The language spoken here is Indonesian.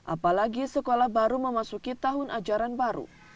apalagi sekolah baru memasuki tahun ajaran baru